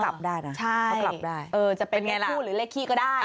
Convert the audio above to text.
พอกลับได้เป็นอย่างไรหล่ะทักษะได้เออจะเป็นผู้หรือเลขขี้ก็ได้